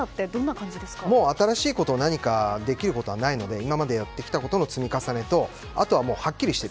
新しくできることはないので今までやってきたことの積み重ねとあとははっきりしている。